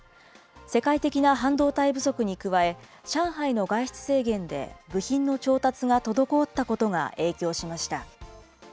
世界的な半導体不足に加え、上海の外出制限で部品の調達が滞ったことが影響しました。